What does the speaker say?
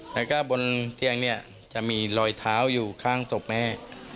แล้วก็บนเตียงเนี่ยจะมีรอยเท้าอยู่ข้างศพแม่